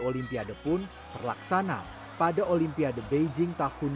olimpiade pun terlaksana pada olimpiade beijing tahun dua ribu